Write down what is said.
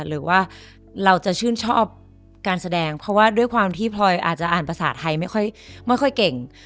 หรือว่าเราจะชื่นชอบการแสดงเพราะว่าด้วยความที่พลอยอาจจะอ่านภาษาไทยไม่ค่อยเก่ง